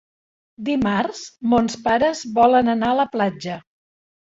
Dimarts mons pares volen anar a la platja.